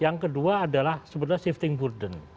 yang kedua adalah sebenarnya shifting burden